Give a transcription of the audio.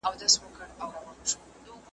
د بېدیا اغزیو راوړم ستا د سیند تر غاړي تږی `